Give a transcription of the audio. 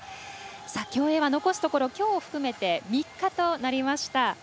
競泳は残すところきょうを含めて３日となりました。